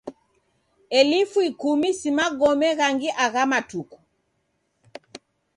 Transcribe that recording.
Elfu ikumi si magome ghangi agha matuku!